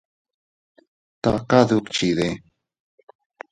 ¿Taka dukchide?